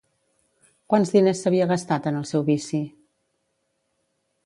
Quants diners s'havia gastat en el seu vici?